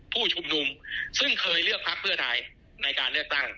ผู้ชุมนุมซึ่งเคยเลือกพักเพื่อไทยในการเลือกตั้ง